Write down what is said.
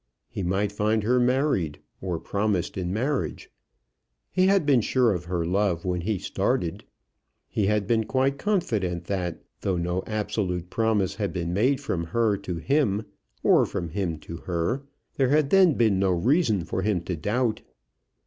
He might find her married, or promised in marriage. He had been sure of her love when he started. He had been quite confident that, though no absolute promise had been made from her to him, or from him to her, there had then been no reason for him to doubt.